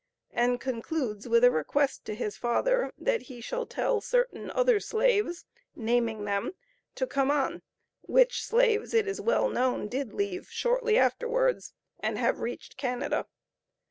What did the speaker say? and concludes with a request to his father, that he shall tell certain other slaves, naming them, to come on, which slaves, it is well known, did leave shortly afterwards, and have reached Canada.